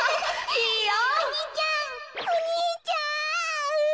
お兄ちゃん。